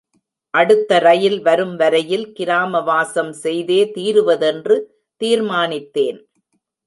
அடுத்த ரயில் வரும் வரையில் கிராம வாசம் செய்தே தீருவதென்று தீர்மானித்தேன்.